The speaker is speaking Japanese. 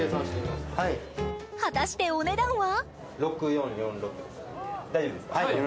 果たしてお値段は？